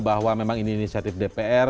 bahwa memang ini inisiatif dpr